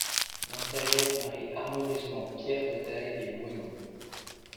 L'intérieur marie harmonieusement pierre de taille et moellon.